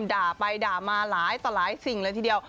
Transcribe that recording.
ด่าไปด่ามาหลายต่อหลายสิ่งเลยทีเดียว